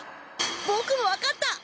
ボクも分かった！